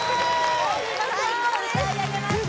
お見事歌い上げました